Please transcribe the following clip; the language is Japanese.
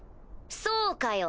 そうかよ